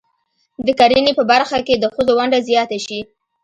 د کرنې په برخه کې د ښځو ونډه زیاته شي.